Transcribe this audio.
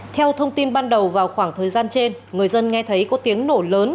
theo thông tin ban đầu vào khoảng thời gian trên người dân nghe thấy có tiếng nổ lớn